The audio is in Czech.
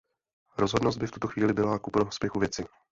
Rozhodnost by v tuto chvíli byla ku prospěchu věci.